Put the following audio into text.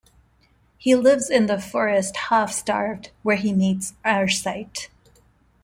He lives in the forest half-starved, where he meets Arcite.